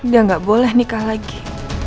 dia tidak boleh menikah lagi